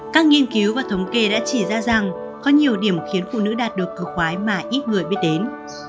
các nghiên cứu và thống kê đã chỉ ra rằng có nhiều điểm khiến phụ nữ đạt được cử khoái mà ít người biết đến